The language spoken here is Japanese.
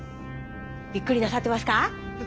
びっくりなさってますか？